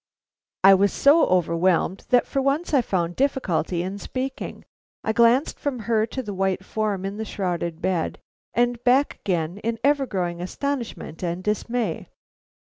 I was so overwhelmed, that for once I found difficulty in speaking. I glanced from her to the white form in the shrouded bed, and back again in ever growing astonishment and dismay.